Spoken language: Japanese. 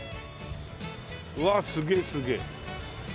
うわっすげえすげえ。